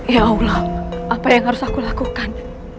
ya allah apa yang harus aku lakukan